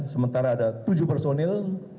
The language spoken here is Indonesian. sementara ada tujuh personil